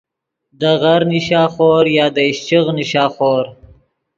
دے غر نیشا خور یا دے اِشچیغ نیشا خور